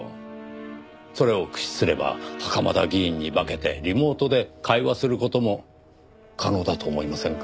それを駆使すれば袴田議員に化けてリモートで会話する事も可能だと思いませんか？